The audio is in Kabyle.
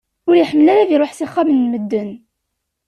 Ur iḥemmel ara ad iruḥ s ixxamen n medden.